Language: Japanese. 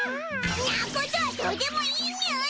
なことはどうでもいいにゅい！